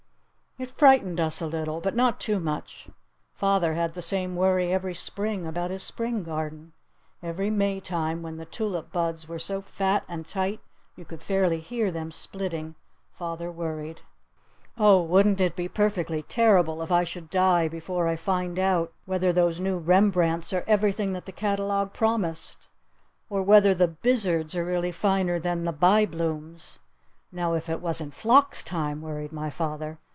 It frightened us a little. But not too much. Father had the same worry every Spring about his Spring garden. Every Maytime when the tulip buds were so fat and tight you could fairly hear them splitting, father worried. "Oh, wouldn't it be perfectly terrible if I should die before I find out whether those new 'Rembrandts' are everything that the catalogue promised? Or whether the 'Bizards' are really finer than the 'Byblooms'? Now, if it was in phlox time," worried my father.